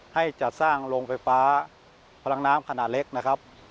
ให้จัดสร้างโรงไฟฟ้าพลังน้ำขนาดเล็กนะครับ